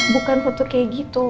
bukan foto kayak gitu